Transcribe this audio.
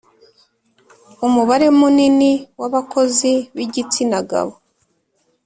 umubare munini wabakozi b’igitsinagabo,